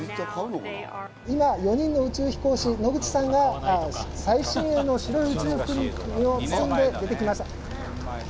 今４人の宇宙飛行士野口さんが最新鋭の白い宇宙服に身を包んで出てきました。